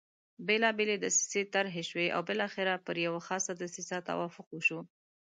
بېلابېلې دسیسې طرح شوې او بالاخره پر یوه خاصه دسیسه توافق وشو.